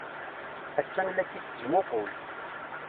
Attan la k-id-tettmuqul.